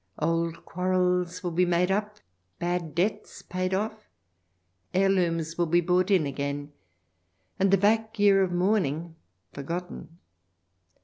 Old quarrels will be made up, bad debts paid off, heirlooms will be bought in again, and the back year of mourning forgotten.